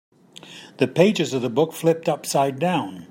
The pages of the book flipped upside down.